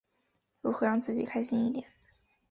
如何让自己开心一点？